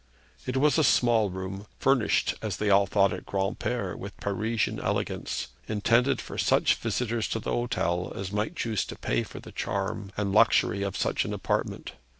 It was a small room, furnished, as they all thought at Granpere, with Parisian elegance, intended for such visitors to the hotel as might choose to pay for the charm and luxury of such an apartment.